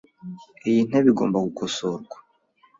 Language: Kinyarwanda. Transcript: Iyi ntebe igomba gukosorwa .